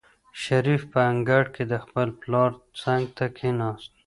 شریف په انګړ کې د خپل پلار څنګ ته کېناست.